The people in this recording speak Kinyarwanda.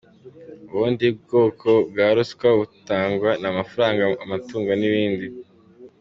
Ubundi bwoko bwa ruswa butangwa, ni amafaranga, amatungo n’ibindi.